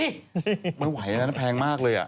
บ๊วยเกิทร์ไม่ไหวอันนี้แพงมากเลย